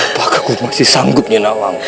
apakah aku masih sanggup jinawan